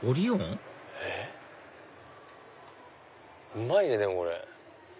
うまいねでもこれ。